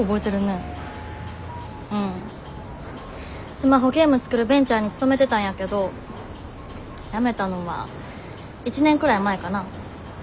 スマホゲーム作るベンチャーに勤めてたんやけど辞めたのは１年くらい前かな。